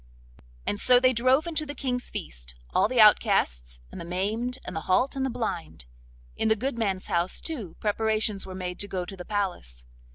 And so they drove into the King's feast all the outcasts, and the maimed, and the halt, and the blind. In the good man's house, too, preparations were made to go to the palace.